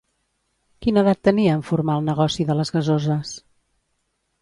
Quina edat tenia en formar el negoci de les gasoses?